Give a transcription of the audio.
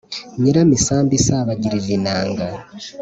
nyiramusambi isabagirira inanga.